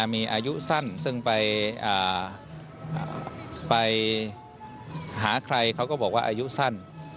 มีอายุสั้นซึ่งไปหาใครเขาก็บอกว่าอายุสั้น